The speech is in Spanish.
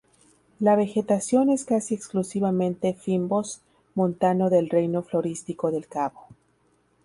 La vegetación es casi exclusivamente fynbos montano del Reino florístico del Cabo.